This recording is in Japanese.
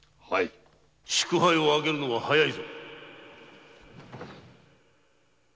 ・祝杯を上げるのは早いぞ！